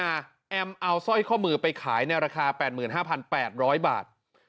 แอมเอาสร้อยข้อมือไปขายในราคาแปดหมื่นห้าพันแปดร้อยบาท